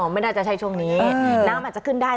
ไม่น่าจะใช่ช่วงนี้น้ำอาจจะขึ้นได้